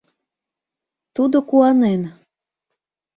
Тудо куанен.